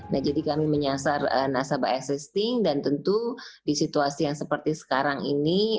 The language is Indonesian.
nah jadi kami menyasar nasabah assisting dan tentu di situasi yang seperti sekarang ini